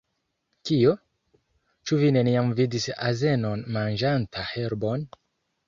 Kio? Ĉu vi neniam vidis azenon manĝanta herbon?